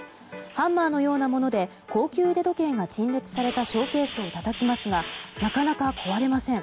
ハンマーのようなもので高級腕時計が陳列されたショーケースをたたきますがなかなか壊れません。